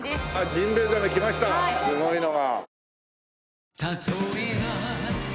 ジンベエザメ来ましたすごいのが。